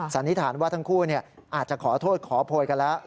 สันนิษฐานว่าทั้งคู่อาจจะขอโทษขอโพยกันแล้ว